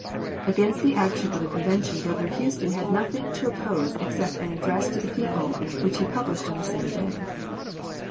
Against the action of the convention Governor Houston had nothing to oppose except an address to the people, which he published on the same day.